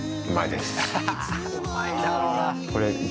うまいだろうな。